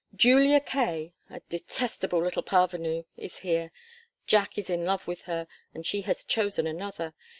Julia Kaye, a detestable little parvenu, is here. Jack is in love with her and she has chosen another.